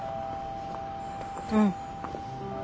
うん。